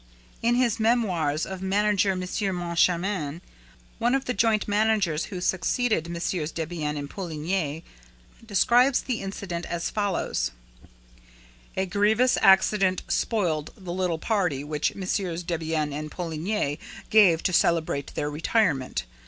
In his Memoirs of Manager, M. Moncharmin, one of the joint managers who succeeded MM. Debienne and Poligny, describes the incident as follows: "A grievous accident spoiled the little party which MM. Debienne and Poligny gave to celebrate their retirement.